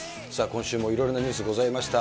今週もいろいろなニュースございました。